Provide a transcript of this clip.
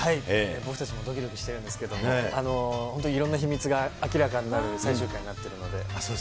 僕たちもどきどきしてるんですけれども、本当にいろんな秘密が明らかになる最終回になっているので。